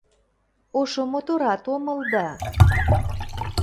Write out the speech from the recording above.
Ошо моторат омыл да